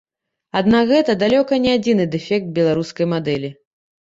Аднак гэта далёка не адзіны дэфект беларускай мадэлі.